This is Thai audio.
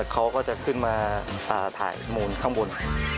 เขาก็จะขึ้นมาถ่ายมูลข้างบน